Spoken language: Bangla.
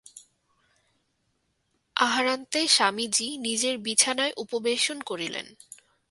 আহারান্তে স্বামীজী নিজের বিছানায় উপবেশন করিলেন।